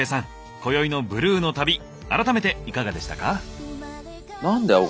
今宵のＢＬＵＥの旅改めていかがでしたか？